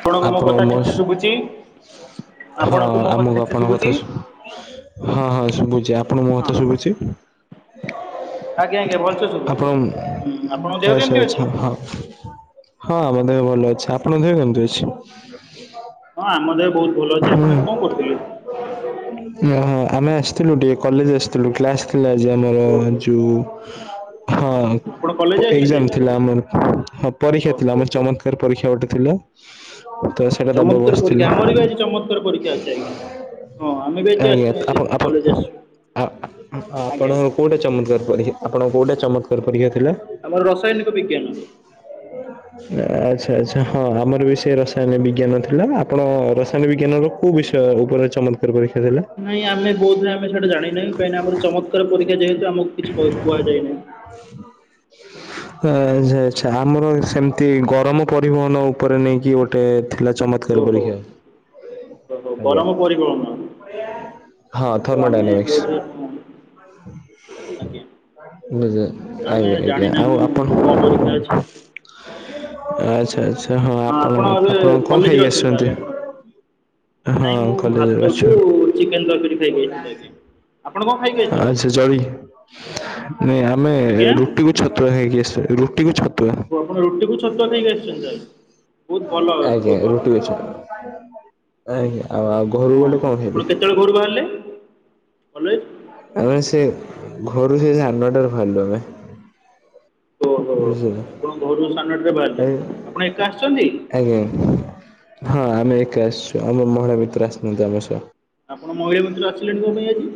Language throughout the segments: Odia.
ଆପଣଙ୍କୁ ମୋ କଥା ଠିକସେ ଶୁଭୁଛି ହଁ ଆପଣଙ୍କୁ ମୋ କଥା ଆମକୁ ଠିକସେ ଆପଣଙ୍କ କଥା ଶୁଭୁଛି। ହଁ ହଁ ଶୁଭୁଛି ଆପଣଙ୍କୁ ମୋ ହଁ କଥା ଶୁଭୁଛି। ଆଜ୍ଞା ଆଜ୍ଞା ଭଲସେ ଶୁଭୁଛି ଆପଣ ହୁଁ ଆପଣଙ୍କ ଦେହ କେମିତି ଆଚ୍ଛା ଅଛି ଆଚ୍ଛା ହଁ। ହଁ ଆମ ଦେହ ଭଲ ଅଛି ଆପଣ ଦେହ କେମିତି ଅଛି। ହଁ ଆମ ଦେହ ବହୁତ ଭଲ ଅଛି ଆପଣ ଏବେ କଣ କରୁଥିଲେ। ହଁ ଆମେ ଆସିଥିଲୁ ଟିକେ କଲେଜ ଆସିଥିଲୁ କ୍ଲାସ ଥିଲା ଆଜି ଆମର ଓହୋ ଯୋଉ ହଁ ଆପଣ କଲେଜ ଆସିଛନ୍ତି ଏକ୍ଜାମ ଏବେ ଥିଲା ତାହେଲେ ଆମର ହଁ ପରୀକ୍ଷା ହଉ ଥିଲା ହଉ ଆମର ହଉ ଚମତ୍କାର ପରୀକ୍ଷା ଗୋଟେ। ଥିଲା। ତ ସେଟା ଦବାକୁ ଚମତ୍କାର ଆସିଥିଲୁ। ପରୀକ୍ଷା ଆମର ବି ଆଜି ଚମତ୍କାର ପରୀକ୍ଷା ଅଛି ଆଜ୍ଞା ହଁ ଆମେ ବି ଆଜି ଆଜ୍ଞା ଆପଣ ସେଥିପାଇଁ ଆପଣ କଲେଜ ଆସିଛୁ ଆ ଆପଣ ଆଜ୍ଞା କୋଉଟା ଚମତ୍କାର କହିଲେ ଆପଣ କୋଉଟା। ଚମତ୍କାର ପରିଆ ଆମର ରସାୟନିକ ବିଜ୍ଞାନ ଆଚ୍ଛା, ଆଚ୍ଛା, ହଁ ଆମର ବି ସେ ରସାୟନ ବିଜ୍ଞାନ ଥିଲା, ଆପଣ ରସାୟନ ବିଜ୍ଞାନ ର କୋଉ ବିଷୟ ଅ ଉପରେ ଚମତ୍କାର କରି ନାଇଁ ଆମେ ବୋଧ ହୁଏ ଆମେ ସେଟା ଜାଣି ନାହିଁ କାହିଁକି ନା ଆମର ଚମତ୍କାର ପରୀକ୍ଷା ଯେହେତୁ ଆମକୁ କିଛି କ କୁହାଯାଇ ନାହିଁ। ହୁଁ [unintelligible] ଆ ଯା ଆଛା ଆମର ସେମିତି ଗରମ ପରିବହନ ଉପରେ ନେଇକି ଗୋଟେ ଥିଲା ଚମତ୍କାର ଓହୋ ପରୀକ୍ଷା। ଓହୋ ଆଜ୍ଞା ଗରମ ପରିବହନ ହଁ ଓ ଆମେ ବୋଧେ ଥର୍ମୋଡାଇନାମିକ୍ସ ଆଜ୍ଞା ବଜ୍ [unintelligible] ଆମେ ଆଜ୍ଞା ଆଉ ଜାଣିନାହୁଁ ଆପଣ କ'ଣ ପରୀକ୍ଷା ଅଛି ଆଚ୍ଛା ଆଚ୍ଛା ହଁ ଆପଣ ଏବେ ଆପଣ କଣ କଲେଜ୍ରେ ଖାଇକି ଅଛନ୍ତି ତା'ହେଲେ ଆସିଛନ୍ତି? ଆପଣ ହଁ ନାଇଁ ମୁଁ କଲେଜରେ ଭାତ ଅଛୁ କୁ ଚିକେନ ତରକାରୀ [unintelligible] ଖାଇକି ଆସିଥିଲି ଆଜ୍ଞା, ଆପଣ କଣ ଖାଇକି ଆସିଛନ୍ତି? ଆଚ୍ଛା ଜଳି ନାଇଁ ଆମେ ଆଜ୍ଞା ରୁଟିକୁ ଛତ୍ର ହେଇକି [unintelligible] ଆସିବା ରୁଟି କୁ ଛତୁ ଆପଣ ରୁଟିକୁୁ ଛତୁଆ ଖାଇକି ଆସିଛନ୍ତି ତାହେଲେ, ବହୁତ ଭଲ ଆଜ୍ଞା ବହୁତ ଭଲ, ରୁଟିକୁ ଛତୁଆ ଆଜ୍ଞା ଆଜ୍ଞା। ଆଉ ଓହୋ ଆଉ ଘରୁ ଆପଣ, ଗଲେ କଣ ଖାଇବେ? ଆପଣ କେତେବେଳେ ଘରୁ ବାହାରିଲେ? କଲେଜ ଆମେ ସେ ଘରୁ ସେଇ ସାଢେ଼ ନଅ ଟାରୁ ବାହାରିଲୁ ଆମେ ଓହୋ ବୁଝିଲେ। ଆପଣ ଘରୁ ସାଢେ଼ ନଅ ଟାରେ ବାହାରିଲେ। ଆଇ ଆପଣ ଏକା ଆସୁଛନ୍ତି? ଆଜ୍ଞା ହଁ ଆମେ ଏକା ଆସିଛୁ, ଆମ ମହିଳା ମିତ୍ର ଆସିନାହାନ୍ତି ଆମ ସହ ଆପଣ ମହିଳା ମିତ୍ର ଆସିଲେନି କଣ ପାଇଁ ଆଜି?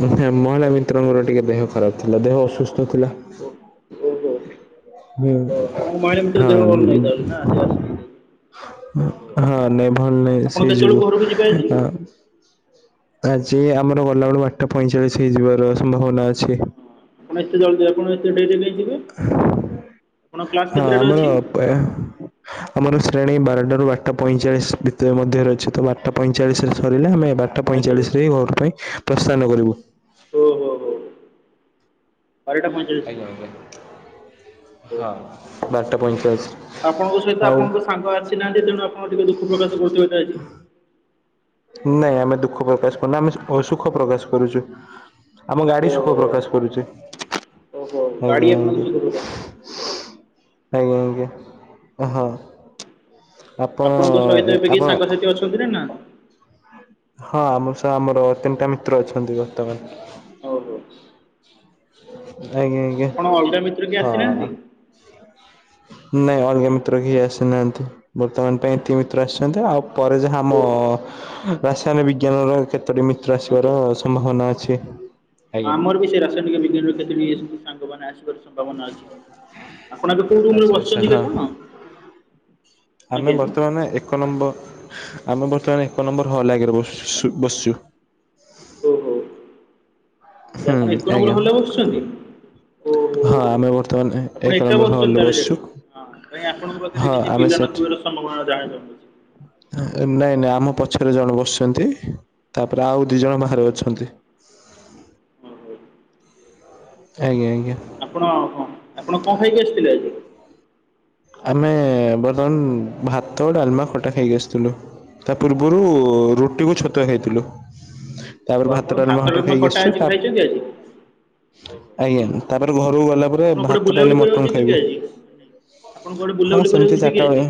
କଣ ପାଇଁ ମହିଳା ଆଜ୍ଞା ମିତ୍ରଙ୍କର ଟିକେ ଦେହ ଖରାପ ଥିଲା ଦେହ ଅସୁସ୍ଥ ଥିଲା ଓ ଓହୋ ହୁଁ ଓହୋ ମହିଳାମିତ୍ର ଦେହ ହଁ ଭଲ ନାହିଁ ତାହେଲେ ନା ସେ ଆସିନାହାନ୍ତି ଆଜି ଓହୋ ହଁ ନାଇଁ, ଭଲ ନାହିଁ, ଆପଣ ସେଇ ଯୋଗୁଁ କେତେବେଳକୁ ଘରକୁ ଯିବେ ଆଜି ଅ ଆଜି ଆମର ଗଲାବେଳକୁ ଆଠଟା ପଇଁଚାଳିଶ ହେଇଯିବାର ସମ୍ଭାବନା ଅଛି। କଣ ଏତେ ଜଲଦି ଆପଣ, ଏତେ ଡେରିରେ ଯିବେ ଆପଣଙ୍କ କ୍ଲାସ୍ ହଁ କେତେଟାରେ ଆମର ଅଛି କ ଆମର ସେ ଟ୍ରେନ୍ ଏଇ ବାରଟାରୁ ବାରଟା ପଇଁଚାଳିଶ ଭିତରେ ମଧ୍ୟରେ ଅଛି ତ, ବାରଟା ପଇଁଚାଳିଶରେ ସରିଲେ ଆମେ ବାରଟା ଆଜ୍ଞା ପଇଁଚାଳିଶରେ ହିଁ ଘର ପାଇଁ ପ୍ରସ୍ଥାନ କରିବୁ ଓ ହୋ ହୋ ବାରଟା ପଇଁଚାଳିଶୀ ଆଜ୍ଞା ଆଜ୍ଞା ହଁ ଓହୋ ବାରଟା ପଇଁଚାଳିଶ ଆପଣଙ୍କ ସହିତ ଆଉ ଆପଣଙ୍କ ସାଙ୍ଗ ଆସିନାହାନ୍ତି, ତେଣୁ ଆପଣ? ଆଉ ଟିକେ ଦୁଃଖ ପ୍ରକାଶ କରୁଥିବେ ତ ଆଜି। ନାଇଁ ଆମେ ଦୁଃଖ ପ୍ରକାଶ କରୁନା ଆମେ ଅ ସୁୁଖ ପ୍ରକାଶ କରୁଛୁ। ଆମ ଗାଡି ଓହୋ ସୁଖ ପ୍ରକାଶ କରୁଛି। ଓହୋ ଗାଡ଼ି ଆଜ୍ଞା, ଆପଣଙ୍କୁ ଆଜ୍ଞା ସୁଖ ପ୍ରକାଶ କରୁଛି ଆଜ୍ଞା, ଆଜ୍ଞା, ହଁ ଆପଣ ଆପଣଙ୍କ ସହିତ ଏ ଏବେ କେହି ସାଙ୍ଗସାଥି ଆପଣ ଅଛନ୍ତି ନା ନାହାନ୍ତି ହଁ ମଉସା ଆମ ଆମର ତିନିଟା ମିତ୍ର ଅଛନ୍ତି ବର୍ତ୍ତମାନ। ଓହୋ ଆଜ୍ଞା ଆପଣ ଆଜ୍ଞା ଅଲଗା ମିତ୍ର କିଏ ହଁ। ଆସିନାହାନ୍ତି ନାଇଁ ଅଲଗା ଆଜ୍ଞା ମିତ୍ର କେହି ଆସିନାହାନ୍ତି ବର୍ତ୍ତମାନ ପାଇଁ ଏତିକି ମିତ୍ର ଆସିଛନ୍ତି ଆଉ ପରେ ଯାହା ଆମ ଓହୋ ହ ରାସାୟନ ବିଜ୍ଞାନର କେତୋଟି ମିତ୍ର ଆସିବାର ସମ୍ଭାବନା ଅଛି। ହଁ ଆଜ୍ଞା। ଆମର ବି ସେ ରାସାୟନିକ ବିଜ୍ଞାନର କେତୋଟି ଏ ସବୁ ସାଙ୍ଗ ମାନେ ଆସିବାର ସମ୍ଭାବନା ଅଛି। ଆପଣ ଏବେ କୋଉ ରୁମ ରେ ଆଚ୍ଛା ଆଚ୍ଛା ବସିଛନ୍ତି କି ହଁ ଆପଣ? ଆମେ ଆଜ୍ଞା ବର୍ତ୍ତମାନ ଏକ ନମ୍ବର ଆମେ ବର୍ତ୍ତମାନ ଏକ ନମ୍ବର ହଲ୍ ଆଗରେ ବସିଛୁ ସୁ ବସିଛୁ। ଓ ହୋ ଆ ହୁଁ ଆପଣ ଏକ ନମ୍ବର ଆଜ୍ଞା। ହଲରେ ବସୁଛନ୍ତି। ଓହୋ ହଁ ଆମେ ବର୍ତ୍ତମାନ ଏକ ଆପଣ ଏକା ନମ୍ବର ବସଛନ୍ତି ହଲରେ ତାହେଲେ ବସିଛୁ। ସେଠି ହଁ କାଇଁ ଆପଣଙ୍କ ପାଖରେ ହଁ କିଛି ଆମେ ପିଲା। ସେଠି [inaudible] ସମ୍ଭବନା ଯାହା ରହୁଚି। ନାଇଁ ନାଇଁ ଆମ ପଛରେ ଜଣେ ବସିଛନ୍ତି। ତାପରେ ଆଉ ଦି ଜଣ ବାହାରେ ଅଛନ୍ତି। ହଁ। ଆଜ୍ଞାଜ୍ଞା। ଆପଣ କଣ ଆପଣ କଣ ଖାଇକି ଆସିଥିଲେ। ଆମେ ବର୍ତ୍ତମାନ ଭାତ ଡାଲମା ଖଟା ଖାଇକି ଆସିଥିଲୁ। ତା ପୂର୍ବରୁ ରୁଟିକୁ ଛତୁଆ ଖାଇଥିଲୁ। ଓ ତାପରେ ଆପଣ ଭାତ ଡାଲମାଖଟା ଡାଲମା ଖାଇକି ଖଟା ଆସିଛୁ। ଆଜି ଖାଇଛନ୍ତି ଆଜି? ଓହୋ ଆଜ୍ଞା ଠିକ୍ ଅଛି। ତାପରେ ଘରକୁ ଗଲା ପରେ ଆପଣ କୁଆଡ଼େ ଭାତ ବୁଲାବୁଲି ଡାଲି କରିବାକୁ ମଟନ ଯିବେ କି ଖାଇବୁ। ଆଜି? ଆପଣ କୁଆଡ଼େ ହଁ ବୁଲାବୁଲି ସେମତି କରିବାକୁ ଯିବେ କି ଚାରିଟା ବେଳେ ଆଜି?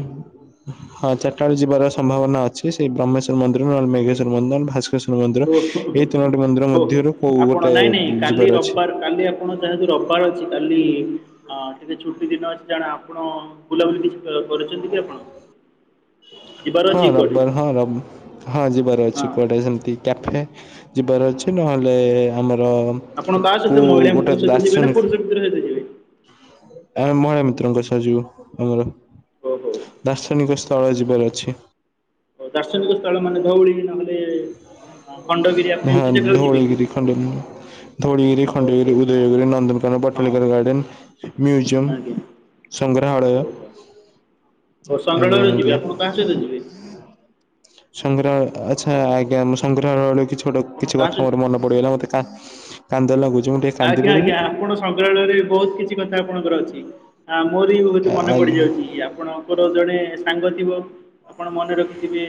ହଁ। ଚାରିଟାବେଳେ ଯିବାର ସମ୍ଭାବନା ଅଛି ସେ ବ୍ରହ୍ମେଶ୍ୱର ମନ୍ଦିର। ନହେଲେ ଆଜ୍ଞା ମେଘେଶରମନ୍ଦିର ନହେଲେ ଭାସ୍କରଶର ମନ୍ଦିର ଓହୋ ଏଇ ତିନୋଟି ମନ୍ଦିର ହଉ ମଧ୍ୟରୁ କୋଉ ଆପଣ ଗୋଟେ ନାଇଁ ନାଇଁ କାଲି ଯିବାର। ଅଛି ରବିବାର, କାଲି ଆପଣ ଯାହାକୁ ରବିବାର ଅଛି‌‌। କାଲି ଟିକେ ଛୁଟି ଦିନ ଅଛି ଜାଣ ଆପଣ ବୁଲାବୁଲି କିଛି କରୁଛନ୍ତି କି ଆପଣ? ହ [unintelligible] ହଁ ରବିବାର ହଁ ର ହଁ ଜିବ ର ହଁ ଅଛିି କୁଆଡେ ସେମିତି। କ୍ୟାଫେ ଯିବାର ଅଛି ନହେଲେ ଆମର‌ ଆପଣ କାହା ସହିତ ରକୋଉ ମହିଳା ମିତ୍ର ଗୋଟେ ସହିତ ଯିବେ ନା ପୁରୁଷ ଦାର୍ଶନିକ ମିତ୍ର ସହିତ ଯିବେ ଆମେ ମହିଳା ମିତ୍ରଙ୍କ ସହ ଯିବୁ ଆମର ଓହୋ। ଓ ହଉ ଦାର୍ଶନିକ ତଳେ ଯିବାର ଅଛି। ଦାର୍ଶନିକ ସ୍ଥଳ ମାନେ ଧଉଳି ନହେଲେ ଅ, ଖଣ୍ଡଗିରି ଆପଣ ହଁ ଏମିତି ଜାଗାକୁ ଯିବେ କି ଧଉଳିଗିରି ଖଣ୍ଡଗିରି। ଧୂଳିଗିରି ହଉ ଖଣ୍ଡଗିରି ହଉ ଉଦୟଗିରି ନନ୍ଦନକାନନ ହଁ ବଟନିକାଲ ଗାର୍ଡନେ। ମ୍ୟୁଜିୟମ୍ ଆଜ୍ଞା ସଂଗ୍ରହାଳୟ। ହଉ ହଉ ହଉ ଆଜ୍ଞା ସଂଗ୍ରାଳୟକୁ ଯିବେ ଆଜ୍ଞା ଆପଣ କାହା ସହିତ ଯିବେ। ସଂଗ୍ରହାଳୟ ଆଛା ଆଜ୍ଞା ସଂଗ୍ରହାଳୟ କିଛି ଗୋଟେ ଆପଣ କିଛି କାହା କଥା ସହିତ ମୋର ମନେ ପଡିଗଲା ମତେ। ଆଃ କାନ୍ଦ ଲାଗୁ ଆଜ୍ଞା ଆଜ୍ଞା ଆପଣ ସଂଗ୍ରହାଳୟରେ ବହୁତ କିଛି କଥା ଆପଣଙ୍କର ଅଛି। ଆଉ ମୋର ବି ବହୁତ ମନେ ଆଜ୍ଞା ପଡିଯାଉଛି ଆପଣଙ୍କର ଜଣେ ସାଙ୍ଗ ଥିବ ଆପଣ ମନେ ରଖିଥିବେ।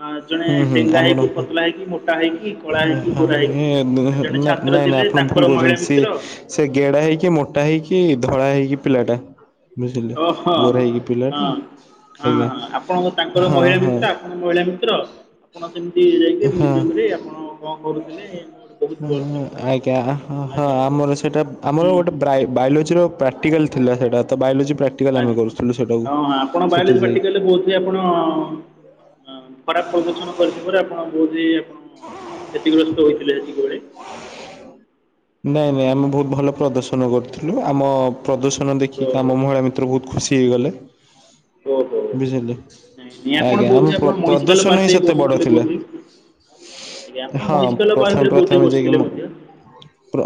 ଆ ଜଣେ ହୁଁ ହୁଁ ଡେଙ୍ଗା ହେଇକି ଆମର ପତଲା ହେଇକି ମୋଟା ହେଇକି କଳା ହେଇକି ଗୋରା ହେଇକି ଜଣେ ଛା ନାଇଁ ନାଇଁ ଆପଣ ଭୁଲ କହୁଛନ୍ତି ସିଏ ସେ ଗେଡା ହେଇକି ମୋଟା ହେଇକି ଧଳା ହେଇକି ପିଲାଟା। ବୁଝିଲେ ହଁ ଗୋରା ହେଇକି ହଁ ପିଲାଟା। ହଁ ଆଜ୍ଞା ଆପଣଙ୍କ ତାଙ୍କର ହଁ ମହିଳା ହଁ ମିତ୍ର ଆପଣ ମହିଳା ମିତ୍ର ଆପଣ ସେମିତି ଯାଇକି ହଁ ମ୍ୟୁଜିୟମ ରେ ଆପଣ କଣ କରୁଥିଲେ ଏ ହଁ ହଁ ଆଜ୍ଞା ହଁ ହଁ ଆମର ସେଟା ଆମର ହୁଁ ଗୋଟେ ବ୍ରାଇ ବାୟୋଲୋଜିର ଆଜ୍ଞା ପ୍ରାକ୍ଟିକାଲ ଥିଲା ସେଇଟା ତ ବାୟୋଲୋଜି ପ୍ରାକ୍ଟିକାଲ୍ ଆମେ ଆଜ୍ଞା କରୁଥିଲୁ ସେଇଟାକୁ ହଁ ହଁ ଆପଣ ସେଠି ବାୟଲୋଜି ଯାଇକି ପ୍ରାକଟିକାଲ ରେ ବୋଧ ହୁଏ ଆପଣ-ଅ-ଅ-ଅ ଅ ଖରାପ ପ୍ରଦୂଷଣ କରିଥିବାରୁ ଆପଣ ବୋଧେ-ଏ-ଏ ଆପଣ-ଅ-ଅ କ୍ଷତିଗ୍ରସ୍ତ ହୋଇଥିଲେ ସେତିକିବେଳେ ନାଇଁ ନାଇଁ ଆମେ ବହୁତ ଭଲ ପ୍ରଦର୍ଶନ କରୁଥିଲୁ ଆମ-ଅ-ଅ ପ୍ରଦୂଷଣ ଦେଖିକି ଆମ ମହିଳା ମିତ୍ର ବହୁତ ଖୁସି ହେଇଗଲେ। ହ ବୁଝିଲେ ଆଜ୍ଞା ଆମ ବୋଧହୁଏ ପ୍ର ଆପଣ ମହିଷକାଲ ପ୍ରଦୂଷଣ ହିଁ ପାର୍କରେ ବି ସେତେ ବଡ ବସିଥିଲେ ଥିଲା। ବୋଧହୁଏ ଆଜ୍ଞା ଆପଣ ହଁ ମହିଷକାଲ ପ୍ରଥମେ ପାର୍କରେ ପ୍ରଥମେ ବୋଧହୁଏ ଯାଇକି ବସିଥିଲେ ମୁ ମଧ୍ୟ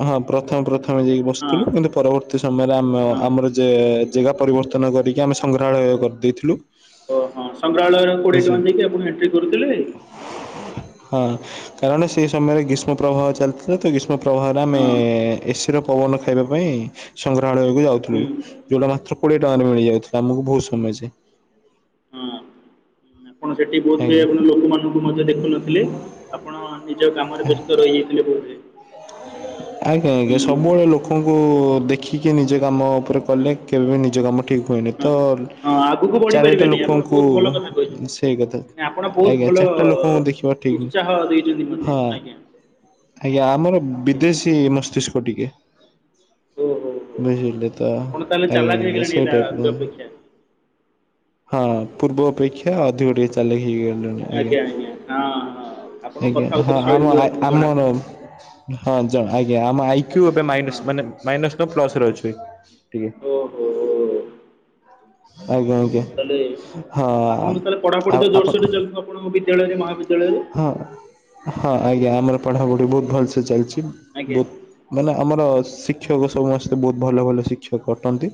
ହଁ ପ୍ରଥମେ ପ୍ରଥମେ ଯାଇକି ହଁ ବସିଥିଲୁ କିନ୍ତୁ ପରବର୍ତ୍ତୀ ସମୟରେ ଆମେ ହଁ ଆମର ଯେ-ଏ-ଏ ଜାଗା ପରିବର୍ତ୍ତନ କରିକି ଆମେ ସଂଗ୍ରହାଳୟ କରିଦେଇଥିଲୁ। ଓହଁ ସଂଗ୍ରହାଳୟର କୋଡ଼ିଏ ଟଙ୍କା ବୁଝିଲ ଦେଇକି ଆପଣ ଏଣ୍ଟ୍ରି କରୁଥିଲେ, ହଁ। ହଁ କାରଣ ସେ ସମୟରେ ଗ୍ରୀଷ୍ମ ପ୍ରବାହ ଚାଲିଥିଲା ତ ଗ୍ରୀଷ୍ମ ପ୍ରବାହରେ ହଁ ହଁ ଆମେ-ଏ-ଏ-ଏ ଏ ସିର ପବନ ଖାଇବା ପାଇଁ ସଂଗ୍ରହାଳୟକୁ ଯାଉଥିଲୁ ହୁଁ ଯଉଟା ମାତ୍ର କୋଡିଏ ଟଙ୍କାରେ ମିଳିଯାଉଥିଲା ଆମକୁ ବହୁତ ସମୟ ଯେ ହଁ। ଆପଣ ସେଠି ବହୁତଏ ଆଜ୍ଞା ଆପଣ ଲୋକମାନଙ୍କୁ ମଧ୍ୟ ଦେଖୁନଥିଲେ ଆପଣ ନିଜ କାମରେ ବ୍ୟସ୍ତ ରହିଯାଇଥିଲେ ବହୁଏ। ହ ଆଜ୍ଞା ଆଜ୍ଞା ସବୁବେଳେ ଲୋକଙ୍କୁ ଦେଖିକି ନିଜ କାମ ଉପରେ ହଁ କଲେ କେବେ ବି ନିଜ କାମ ଠିକ୍ ହୁଏନି ତ-ଅ-ଅ ହଁ ଆଗକୁ ଚାରିଟା ବଢ଼ିପାରିବେନି ଆପଣ ଲୋକଙ୍କୁ ବହୁତ ଭଲ କଥା କହିଛନ୍ତି ସେଇ କଥା ମାନେ ଆପଣ ବହୁତ ଆଜ୍ଞା ଭଲ ଚାରିଟା ଲୋକଙ୍କୁ ଦେଖିବା ଠିକ, ଉତ୍ସାହ ଦେଇଛନ୍ତି ମୋତେ ହଁ। ଆଜ୍ଞା ଆଜ୍ଞା ଆମର ଆଜ୍ଞା ବିଦେଶୀ ମସ୍ତିଷ୍କ ଟିକେ। ଓ ହୋ ହୋ ବୁଝୁିଲେ ତ ଆପଣ ତା'ହେଲେ ଆଜ୍ଞା ଚାଲାକ ଆଜ୍ଞା ହେଇଗଲେଣି ସେଇ ଏବେ ଆଗ ଟାଇପରେ ହିଁ। ଅପେକ୍ଷା ହଁ ପୂର୍ବ ଅପେକ୍ଷା ଅଧିକ ଟିକେ ଚାଲାକି ହେଇଗ ଆଜ୍ଞା ଆଜ୍ଞା ହଁ। ହଁ ଆପଣଙ୍କ ଆଜ୍ଞା ହଁ କଥାବାର୍ତ୍ତାରୁ ଆମ ଶୈଳୀରୁ ଆ ଆପଣଙ୍କୁ ଆମ ଜଣାପଡ଼ୁଛି ପାଇଁ। ହଁ ଜଣ ଆଜ୍ଞା ଆମ ଆଇକ୍ୟୁ ଆଜ୍ଞା ଏବେ ମାଇନସ୍ ମାନେ ମାଇନସ୍ ନୁହଁ ପ୍ଲସରେ ରହିଛି। ଓ ହୋ ଓ। ଆଜ୍ଞା ଆଜ୍ଞା ତାହେଲେ ହଁ ଆପଣ ତାହେଲେ ପଢାପଡିି ଆଉ ତ ଆପଣ ଜୋରସୋର ରେ ଚାଲିଥିବ ଆପଣଙ୍କ ବିଦ୍ୟାଳୟରେ ମହାବିଦ୍ୟାଳୟରେ ହଁ ହଁ ଆଜ୍ଞା ଆମର ପଢାପଢି ବହୁତ ଭଲ ସେ ଚାଲିଛି ଆଜ୍ଞା ବହୁତ ମାନେ ଆମର ଶିକ୍ଷକ ସମସ୍ତେ ବହୁତ ଭଲ ଭଲ ଶିକ୍ଷକ ଅଟନ୍ତି।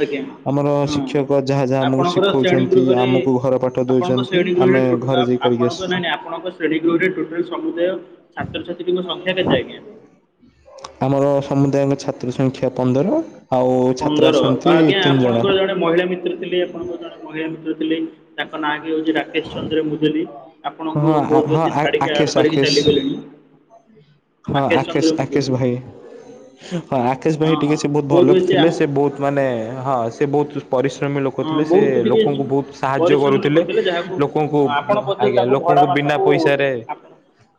ଆଜ୍ଞା ଆମର ହଁ ଶିକ୍ଷକ ଯାହା ଯାହା ଆମକୁ ଆପଣଙ୍କର ଶ୍ରେଣୀ ଶିଖଉଛନ୍ତି ଆମକୁ ଘର ପାଠ ଦଉଛନ୍ତି। [unintelligible] ଆମେ ଘରେ ଆପ ଯାଇ କରିକି ଆପଣଙ୍କ ନାଇଁଁ ଆସିଛୁ ନାଇ ଆପଣଙ୍କ ଶ୍ରେଣୀ ଗୃହରେ ଟୋଟାଲ ସମୁଦାୟ ଛାତ୍ରଛାତ୍ରୀଙ୍କ ସଂଖ୍ୟା କେତେ ଆଜ୍ଞା? ଆମର ସମୁଦାୟଙ୍କ ଛାତ୍ର ସଂଖ୍ୟା ପନ୍ଦର। ଆଉ ଛାତ୍ର ପନ୍ଦର ଆସନ୍ତି ଆଜ୍ଞା ତିନି ଜଣ ଆପଣଙ୍କର ଜଣେ ମହିଳା ମିତ୍ର ଥିଲେ ଆପଣଙ୍କର ଜଣେ ମହିଳା ମିତ୍ର- ଲେ ତାଙ୍କ ନା ହଉଛି ରାକେଶ ଚନ୍ଦ୍ର ମୁଦୁଲି ଆପଣଙ୍କୁ ହଁ ବହୁତ ହଁ ବେଶୀ ଛାଡିକି ଆକେଶ ଆଡିକି ଆକେଶ ଚାଲିଗଲେଣି। ହଁ ରାକେଶ ଆକେଶ ଚନ୍ଦ୍ର ଆକେଶ ମୁଦୁଲି ଭାଇ। ହଁ ରାକେଶ ଭାଇ ହଁ ଟିକେ ହଁ ସେ ବହୁତ ଭଲ ବେଶୀ ଥିଲେ ଆ- ସେ ବହୁତ ମାନେ-ଏ-ଏ-ଏ ହଁ ସେ ବହୁତ ପରିଶ୍ରମୀ ଲୋକ ହଁ ଥିଲେ ସେ ବହୁତ ଟିକେ ଲୋକଙ୍କୁ ବହୁତ ସାହାଯ୍ୟ ପରିଶ୍ରମୀ ଲୋକ କରୁଥିଲେ। ଥିଲେ ଯାହାକୁ ଲୋକଙ୍କୁ ଆପଣ ବୋଧେ ଆଜ୍ଞା ତାଙ୍କୁ ଭଡ଼ା ଲୋକକୁ ବିନା ମାସକୁ ପଇସାରେ ଆପଣ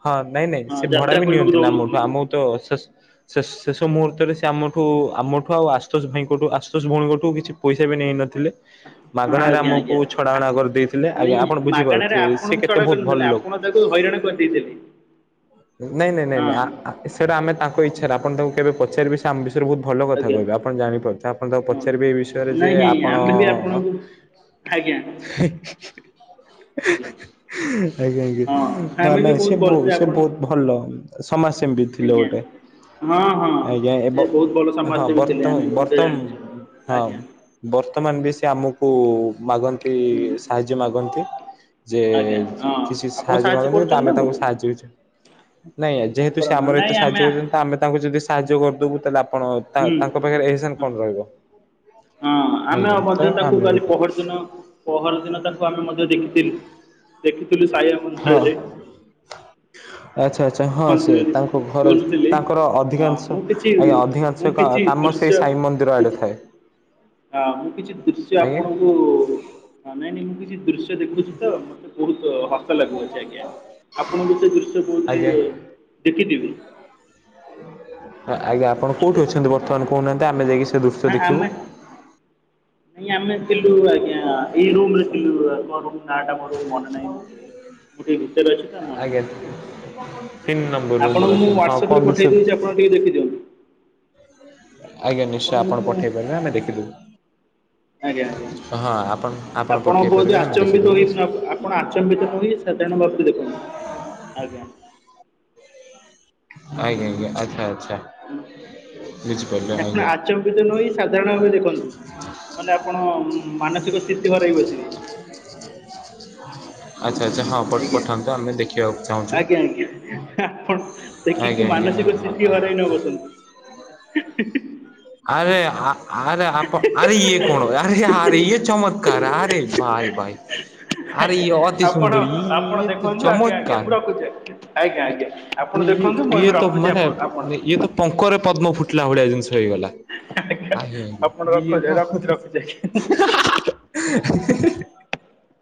ହଁ ନାଇଁ ନାଇଁ ହଁ ସେ ଭଡା ଯାତ୍ରା ବି କରିବାକୁ ନିଅନ୍ତି। ନା ମଠୁ ଦେଉନଥିଲେ ଆମକୁ ତ ସେସ୍ ସେସ୍ ଶେଷ ମୁହୂର୍ତ୍ତରେ ସେ ଆମଠୁ ଆମଠୁ ଆଉ ଆଶୁତୋଷ ଭାଇଙ୍କଠୁ ଆଶୁତୋଷ ଭଉଣୀଙ୍କଠୁ କିଛି ପଇସା ବି ନେଇନଥିଲେ। ହଁ ମାଗେଣାରେ ଆଜ୍ଞା ଆମକୁ ଆଜ୍ଞା ଛଡା ଆ- ଅଣା କରିଦେଇଥିଲେ ମାନେ ଆଜ୍ଞା ଆପଣ ବୁଝିପାରୁଥିବେ, ସେ କେତେ ବହୁତ ଭଲ ଲୋକ। ମୁଁ ତାକୁ ହଇରାଣ କରିଦେଇଥିଲି। ନାଇଁ ନାଇଁ ନାଇଁ ନାଇଁ ସେଇଟା ଆମେ ତାଙ୍କ ଇଚ୍ଛା ଆପଣ ତାଙ୍କୁ କେବେ ପଚାରିବେ ସେ ରେ ବହୁତ ଭଲ କଥା ଆଜ୍ଞା କହିବେ ଆପଣ ଜାଣିପାରୁଥିବେ ଆପଣ ତାକୁ ହଁ ପଚାରିବେ ଏଇ ବିଷୟରେ ଯେ ନାଇଁ ନାଇଁ ଆପଣ ଆମେ ବି ଆପଣଙ୍କୁ ଆଜ୍ଞା। ଆଜ୍ଞା ଆଜ୍ଞା ଆଜ୍ଞା ହଁ ହ ଆମେ ବି ନାଇଁ ସେ ବହୁତ ବହୁ ଭଲସେ ସେ ଆପଣ ବହୁତ ଭଲ ସମାଜ ସେମ୍ବି ଥିଲେ ଆଜ୍ଞା ଗୋଟେ। ହଁ ହଁ ଆଜ୍ଞା ଏବଂ ସେ ବହୁତ ଭଲ ହଁ ସମାଜସେବୀ ଥିଲେ ବର୍ତ୍ତମ୍ ଆମେ ବି ମଧ୍ୟ ବର୍ତ୍ତମ୍ ଜାଣିଛୁ ହଁ ଆଜ୍ଞା ବର୍ତ୍ତମାନ ବି ସେ ଆମକୁ କୁ ମାଗନ୍ତି ହୁଁ ସାହାଯ୍ୟ ମାଗନ୍ତି। ଯେ ଆଜ୍ଞା ହଁ କିଛି ଆପଣ ସାହାଯ୍ୟ ମାଗନ୍ତୀ କିନ୍ତୁ କରୁଛନ୍ତି ଆମେ ତାକୁ ତାଙ୍କୁ ସାହାଯ୍ୟ କିଛି ନାଇଁ ଯେହେତୁ ସେ କରନ୍ତୁ ଆମର ନାଇଁ ଏତେ ସାହାଯ୍ୟ ଆମେ କରିଛନ୍ତି। ତ ଆମେ ତାଙ୍କୁ ଯଦି ସାହାଯ୍ୟ କରିଦେବୁ ତା ଆପଣ ହୁଁ ତାଙ୍କ ପାଖରେ ଏହିସନ୍ କଣ ରହିବ। ହଁ ଆମେ ଆଜ୍ଞା ତ ମଧ୍ୟ ତାକୁ ଆମେ କାଲି ବି ପହରଦିନ ପହରିନ ପରଦିନ ତାକୁ ଆମେ ମଧ୍ୟ ଦେଖିଥିଲୁ ଦେଖିଥିଲୁ ସହିଆ ହଁ ମନ୍ଦିରରେ। ଆଚ୍ଛା ଆଚ୍ଛା ହଁ ସେ ମନ୍ଦିରରେ ତାଙ୍କ ଘରେ ବୁଲୁଥିଲି ତାଙ୍କର ହଁ ଅଧିକାଂଶ ମୁଁ କିଛି ଆଜ୍ଞା ମୁଁ ଅଧିକାଂଶ କିଛି କାମ ସେ ସାଇ ମନ୍ଦିର ଆଡ଼େ ଥାଏ। ଆ ମୁଁ କିଛି ଦୃଶ୍ୟ ଆଜ୍ଞା ଆପଣଙ୍କୁ ନାଇଁ ନାଇଁ ମୁଁ କିଛି ଦୃଶ୍ୟ ଦେଖୁଛି ତ ମତେ ବହୁତ ହସ ଲାଗୁଅଛି ଆଜ୍ଞା ଆପଣଙ୍କୁ ସେ ଦୃଶ୍ୟ ବୋଧହୁଏ ଆଜ୍ଞା ଦେଖି ଥିବି। ଆଜ୍ଞା ଆପଣ କଉଠି ଅଛନ୍ତି ବର୍ତ୍ତମାନ କହୁନାହାନ୍ତି ଆମେ ଯାଇକି ସେ ଦୃଶ୍ୟ ହ ଦେଖିବୁ? ଆମେ ନାଇଁ ଆମେ ଥିଲୁ ଆଜ୍ଞା ଏଇ ରୁମରେ ଥିଲୁ କଣ ନାଁ ଟା ମୋର ମନେ ନାହିଁ ମୁଁ ମୁଁ ଟିକେ ଭିତରେ ଅଛି ତ ମନେ ଆଜ୍ଞା ନାହିଁ। ତିନି ନମ୍ବର ରୁମରେ ଆପଣଙ୍କୁ ମୁଁ ଅଛନ୍ତି ହଁ କଣ ୱାଟସାପରେ ଦୃଶ୍ୟ ପଠେଇ ଦେଉଛି ଆପଣ ଟିକେ ଦେଖିଦିଅନ୍ତୁ। ଆଜ୍ଞା ନିଶ୍ଚୟ ଆପଣଙ୍କୁ ଆପଣ ମୁଁ ପଠେଇ ପାରିବେ ଆମେ ଦେଖିଦବୁ। ଆଜ୍ଞା ଆଜ୍ଞା ଆପଣ ପଠେଇ ବହୁତ ପାରିବେ ଆମେ ଆଚମ୍ବିତ ଦେଖିଦେବୁ ହୋଇ ଆଜ୍ଞା ଆପଣ ଆଚମ୍ବିତ ନହୋଇ ସାଧାରଣ ଭକ୍ତି ଦେଖନ୍ତୁ ଆଜ୍ଞା। ଆଜ୍ଞା ଆଜ୍ଞା ଆଚ୍ଛା ଆଚ୍ଛା। ବୁଝିପାରିଲେ ଆପଣ ଆଜ୍ଞା ଆଚମ୍ବିତ ନ ହୋଇ ସାଧାରଣ ଭାବେ ଦେଖନ୍ତୁ ନହେଲେ ଆପଣ ମାନେ ମାନସିକ ସ୍ଥିତି ହରେଇ ବସିବେ। ଆଚ୍ଛା ଆଚ୍ଛା ହଁ ପ ଆଜ୍ଞା ପଠାନ୍ତୁ ଆମେ ଦେଖିବାକୁ ଚାହୁଁଛୁ ଆଜ୍ଞା ଆଜ୍ଞା ଆପଣ ଆଜ୍ଞା ଦେଖିକି ଆଜ୍ଞା ମାନସିକ ସ୍ଥିତି ହରାଇ ନ ବସନ୍ତି। ଆରେ ଆ ଆରେ ଆପ ଆରେ ଇଏ କଣ ଆରେ ଆରେ ଇଏ ଚମତ୍କାର ଆରେ ଭାଇ ଭାଇ ଆରେ ଆଜ୍ଞା ଇଏ ଅତି ଆପଣ ସୁନ୍ଦରୀ ଇ ଆପଣ ଇଏ ତ ଦେଖନ୍ତୁ ଆଜ୍ଞା ଆଜ୍ଞା ଚମତ୍କାର। ମୁଁ ରଖୁଛି ଆଜ୍ଞା ଆଜ୍ଞା ଆପଣ ଇ ଦେଖନ୍ତୁ ମୁଁ ଇଏ ଏବେ ତ ରଖୁଛି ମାନେ ଆପଣ ଆପଣ ଇଏ ତ ପଙ୍କରେ ପଦ୍ମ ଫୁଟିଲା ହୋଇଗଲା ଆଜ୍ଞା ଆପଣ ଆଜ୍ଞା ରଖ ଇଏ ରଖୁଛି ରଖୁଛି ଆଜ୍ଞା ହା ହା ହା ହା ହା